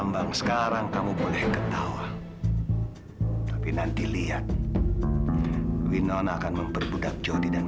hai dalam sekarang kamu boleh ketawa tapi nanti lihat winona akan memperbudak jodoh dan